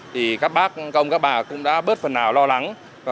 thì các bác các ông các bà cũng đã bớt phần nào lo lắng